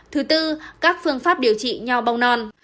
thứ tư các phương pháp điều trị nhau bong non